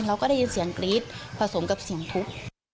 เราก็ได้ยินเสียงกรี๊ดผสมกับเสียงทุบ